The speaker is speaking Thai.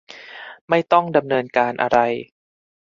ไม่ต้องดำเนินการอะไร